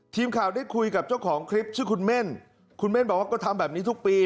ทีมข่าวได้คุยกับเจ้าของคลิปชื่อคุณเม่นคุณเม่นบอกว่าก็ทำแบบนี้ทุกปี